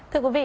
thưa quý vị